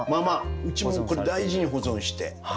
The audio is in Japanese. うちもこれ大事に保存して。